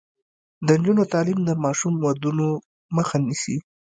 د نجونو تعلیم د ماشوم ودونو مخه نیسي.